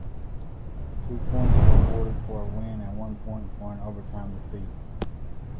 Two points were awarded for a win and one point for an overtime defeat.